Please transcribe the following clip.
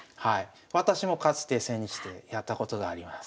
私もかつて千日手やったことがあります。